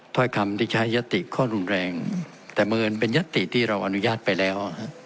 ถ้อยคำที่ใช้ยติข้อรุนแรงแต่เหมือนเป็นยัตติที่เราอนุญาตไปแล้ว